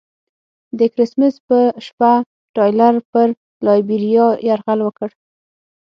د کرسمس په شپه ټایلر پر لایبیریا یرغل وکړ.